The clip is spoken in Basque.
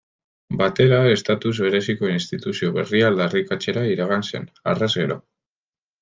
Batera estatus bereziko instituzio berria aldarrikatzera iragan zen, harrez gero.